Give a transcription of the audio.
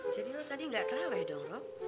jadi lo tadi gak terawih dong rob